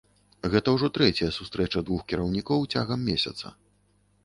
Гэта ўжо трэцяя сустрэча двух кіраўнікоў цягам месяца.